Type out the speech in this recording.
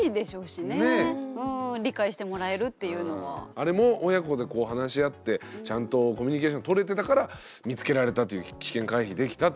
あれも親子でこう話し合ってちゃんとコミュニケーションとれてたから見つけられたという危険回避できたというね。